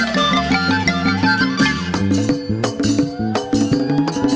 กลับมาที่สุดท้าย